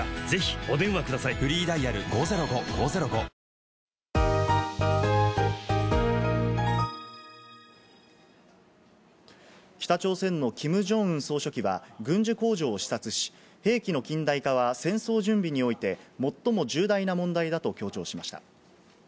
この１年で、広島の被ばく者５３２０人が亡くなり、北朝鮮のキム・ジョンウン総書記は軍需工場を視察し、兵器の近代化は戦争準備において最も重大な問題だと強調しました。